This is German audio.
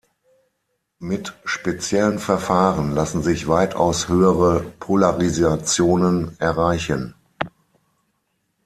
Mit speziellen Verfahren lassen sich weitaus höhere Polarisationen erreichen.